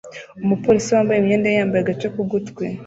Umupolisi wambaye imyenda ye yambaye agace k'ugutwi